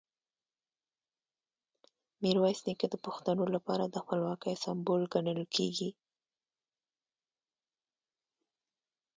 میرویس نیکه د پښتنو لپاره د خپلواکۍ سمبول ګڼل کېږي.